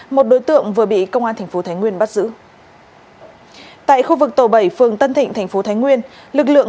một đối tượng vừa bị công an bắt giam khi chưa kịp lần trốn